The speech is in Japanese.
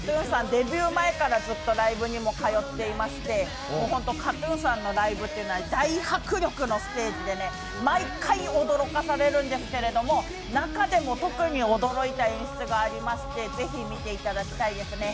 デビュー前からずっとライブにも通ってまして本当ＫＡＴ−ＴＵＮさんのライブというのは大迫力のステージで毎回驚かされるんですけれども、中でも特に驚いた演出がありましてぜひ見ていただきたいですね。